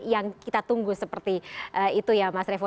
yang kita tunggu seperti itu ya mas revo